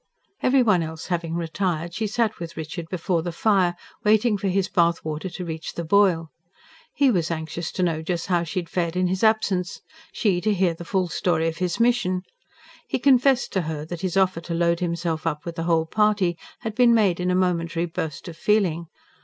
Every one else having retired, she sat with Richard before the fire, waiting for his bath water to reach the boil. He was anxious to know just how she had fared in his absence, she to hear the full story of his mission. He confessed to her that his offer to load himself up with the whole party had been made in a momentary burst of feeling.